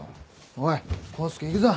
おい康介行くぞ。